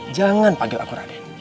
jangan panggil aku raden